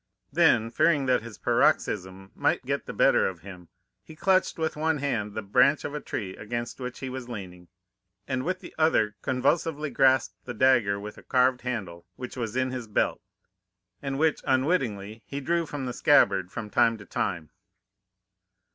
Then fearing that his paroxysm might get the better of him, he clutched with one hand the branch of a tree against which he was leaning, and with the other convulsively grasped the dagger with a carved handle which was in his belt, and which, unwittingly, he drew from the scabbard from time to time.